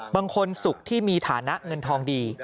บางคนสุขที่มีฐานะเงินทองดี